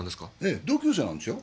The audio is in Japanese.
ええ同級生なんですよ。